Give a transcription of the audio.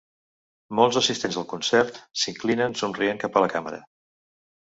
Molts assistents al concert s'inclinen somrient cap a la càmera.